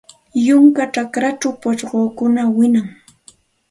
Yunka chakrachaw pushkukunam wiñan.